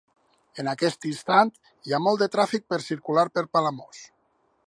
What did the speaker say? En aquest instant, hi ha molt tràfic per circular per Palamós?